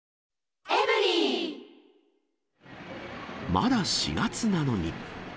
まだ４月なのに。